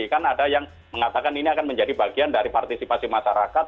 kan ada yang mengatakan ini akan menjadi bagian dari partisipasi masyarakat